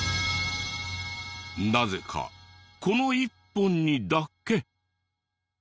なぜかこの１本にだけ。